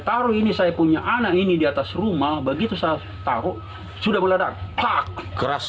taruh ini saya punya anak ini di atas rumah begitu saya tahu sudah mulai ada tak keras